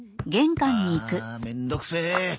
ああめんどくせえ。